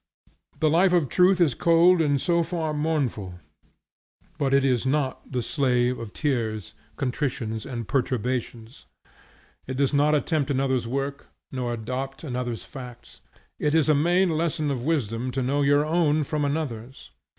The life of truth is cold and so far mournful; but it is not the slave of tears, contritions and perturbations. It does not attempt another's work, nor adopt another's facts. It is a main lesson of wisdom to know your own from another's.